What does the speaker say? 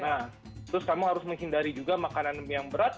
nah terus kamu harus menghindari juga makanan yang berat